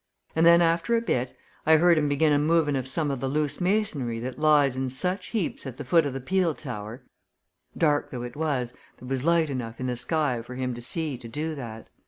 And then after a bit I heard him begin a moving of some of the loose masonry what lies in such heaps at the foot o' the peel tower dark though it was there was light enough in the sky for him to see to do that.